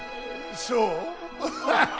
そう？